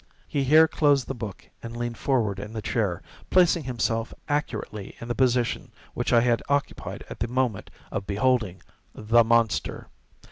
'" He here closed the book and leaned forward in the chair, placing himself accurately in the position which I had occupied at the moment of beholding "the monster."